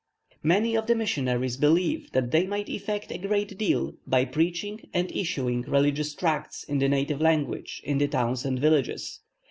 Many of the missionaries believe that they might effect a great deal by preaching and issuing religious tracts in the native language in the towns and villages.